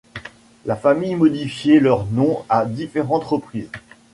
La famille modifier leur nom à différentes reprises.